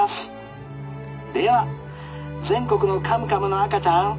では全国のカムカムの赤ちゃん